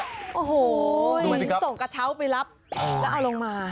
ถ้าส่งกะเช้าไปรับแล้วเอาลงมา